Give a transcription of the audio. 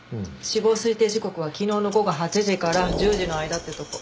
死亡推定時刻は昨日の午後８時から１０時の間ってとこ。